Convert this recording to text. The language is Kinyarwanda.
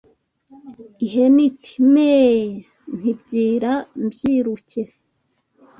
Ihene iti Meee nti Byira mbyiruke